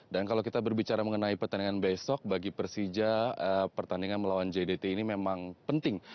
dan kalau kita berbicara mengenai pertandingan besok bagi persija pertandingan melawan jdt ini memang penting